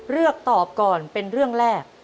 เลือกตอบก่อนเป็นเรื่องแรก